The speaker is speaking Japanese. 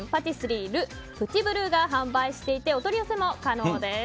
リール・プティブルーが販売していてお取り寄せも可能です。